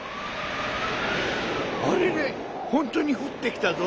あれれほんとにふってきたぞ。